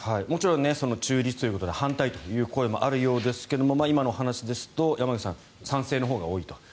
もちろん中立ということで反対の声もあるようですが今の話ですと山口さん賛成のほうが多いと。